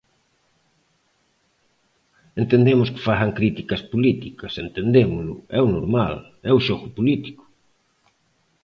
Entendemos que fagan críticas políticas, entendémolo, é o normal, é o xogo político.